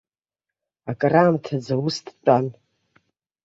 Акраамҭаӡа ус дтәан.